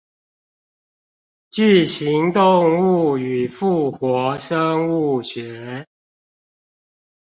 巨型動物與復活生物學